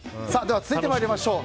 続いてまいりましょう。